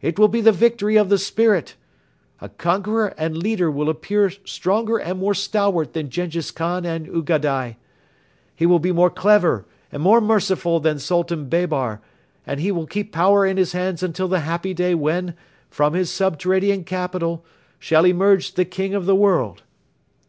It will be the victory of the spirit. A conqueror and leader will appear stronger and more stalwart than Jenghiz Khan and Ugadai. He will be more clever and more merciful than Sultan Baber and he will keep power in his hands until the happy day when, from his subterranean capital, shall emerge the King of the World.